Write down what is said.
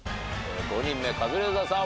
５人目カズレーザーさん